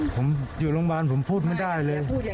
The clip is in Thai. ผมอยู่โรงพยาบาลผมพูดไม่ได้เลย